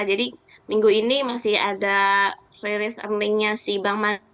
jadi minggu ini masih ada rilis earningnya si bank mandiri dan bri